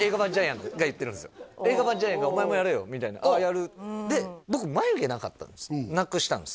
それは映画版ジャイアンが「お前もやれよ」みたいな「あっやる」ってで僕眉毛なかったんですなくしたんです